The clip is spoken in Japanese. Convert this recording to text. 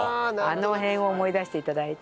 あの辺を思い出して頂いて。